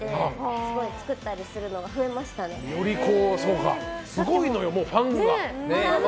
すごい作ったりするのがすごいのよ、ファンが。